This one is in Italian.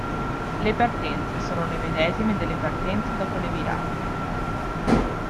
Le partenze sono le medesime delle partenze dopo le virate.